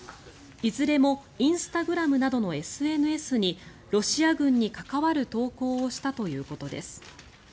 いずれもインスタグラムなどのＳＮＳにロシア軍に関わる投稿をしたということです。